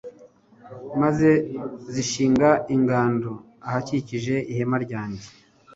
maze zishinga ingando ahakikije ihema ryanjye